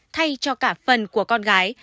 thay cho cả phần của con gái